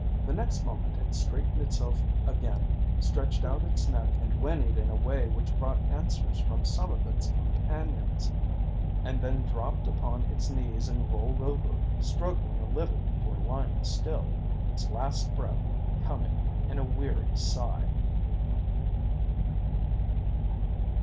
The next moment it straightened itself again, stretched out its neck, and whinnied in a way which brought answers from some of its companions, and then dropped upon its knees and rolled over, struggling a little before lying still, its last breath coming in a weary sigh.